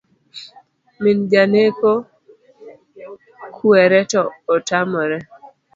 Min janeko kuere to otamore